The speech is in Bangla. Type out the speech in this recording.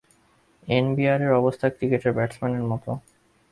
এনবিআরের অবস্থা ক্রিকেটের ব্যাটসম্যানের মতো।